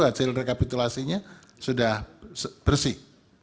hasil rekapitulasinya sudah bersih